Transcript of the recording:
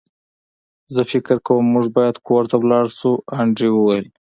زه فکر کوم موږ باید کور ته لاړ شو انډریو وویل